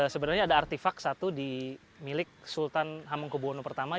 sebenarnya ada artifak satu di milik sultan hamengkubono i